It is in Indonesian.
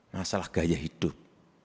masalah gaya hidup